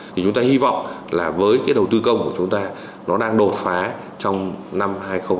thì chúng ta hy vọng là với cái đầu tư công của chúng ta nó đang đột phá trong năm hai nghìn hai mươi